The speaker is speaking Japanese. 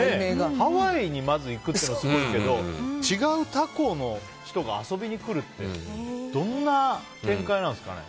ハワイにまず行くというのがすごいですけど違う他校の人が遊びに来るってどんな展開なんですかね。